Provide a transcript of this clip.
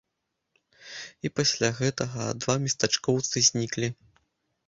І пасля гэтага два местачкоўцы зніклі.